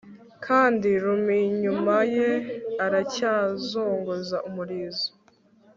kandi rum inyuma ye aracyazunguza umurizo